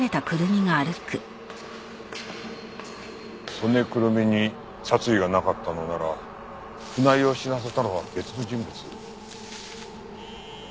曽根くるみに殺意がなかったのなら船井を死なせたのは別の人物？